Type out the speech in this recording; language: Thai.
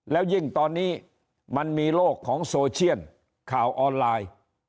แล้วยิ่งตอนนี้มันมีโลกของโซเชียลข่าวออนไลน์